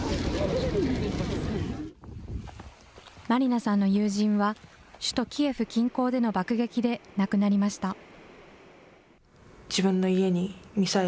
マリナさんの友人は、首都キエフ近郊での爆撃で亡くなりました。